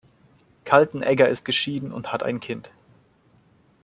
Kaltenegger ist geschieden und hat ein Kind.